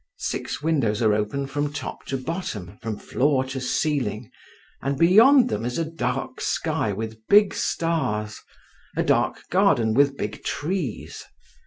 Six windows are open from top to bottom, from floor to ceiling, and beyond them is a dark sky with big stars, a dark garden with big trees.